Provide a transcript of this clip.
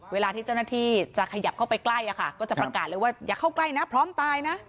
เวลาที่เจ้าหน้าที่จะขยับเข้าไปใกล้ก็จะประกาศเลยว่าอย่าเข้าใกล้นะพร้อมตายนะ